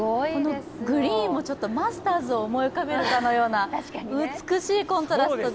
グリーンもちょっとマスターズを思い浮かべるかのような美しいコントラストで。